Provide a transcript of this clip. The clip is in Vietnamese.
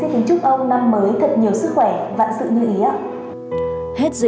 xin chúc ông năm mới thật nhiều sức khỏe và sự người ý ạ